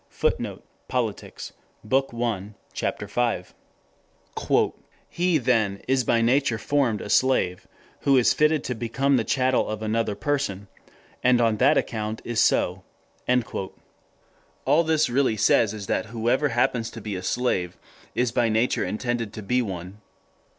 [Footnote: Politics, Bk. 1, Ch. 5.] "He then is by nature formed a slave, who is fitted to become the chattel of another person, and on that account is so." All this really says is that whoever happens to be a slave is by nature intended to be one.